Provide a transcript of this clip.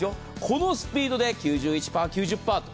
このスピードで９１％、９０％と。